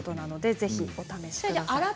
ぜひお試しください。